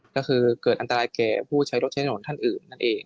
ก็คือเกิดอันตรายแก่ผู้ใช้รถใช้ถนนท่านอื่นนั่นเอง